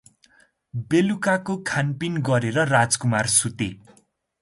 बेलुकाको खानपिन गरेर राजकुमार सुते ।